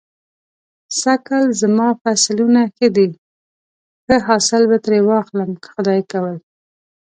سږ کال زما فصلونه ښه دی. ښه حاصل به ترې واخلم که خدای کول.